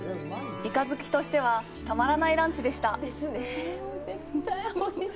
イカ好きとしては、たまらないランチでした！